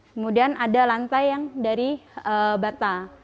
kemudian ada lantai yang dari bata